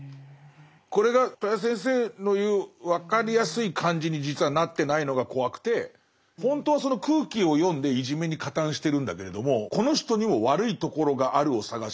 これが戸谷先生の言う分かりやすい感じに実はなってないのが怖くてほんとはその空気を読んでいじめに加担してるんだけれどもこの人にも悪いところがあるを探してああ